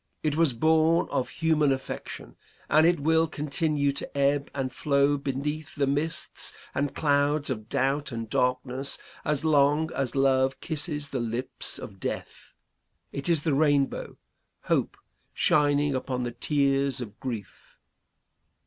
It was born of human affection, and it will continue to ebb and flow beneath the mists and clouds of doubt and darkness as long as love kisses the lips of death. It is the rainbow Hope, shining upon the tears of grief."